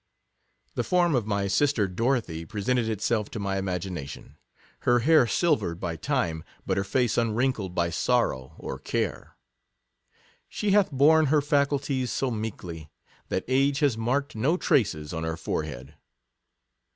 50 The form of my sister Dorothy presented itself to my imagination; her hair silvered by time, but her face unwrinkled by sorrow or care. She "hath borne her faculties so meek ly," that age has marked no traces on her forehead.